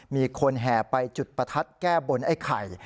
มีคนแห่ไปจุดประทัดแก้บนไอ้ไข่